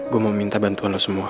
gua mau minta bantuan lu semua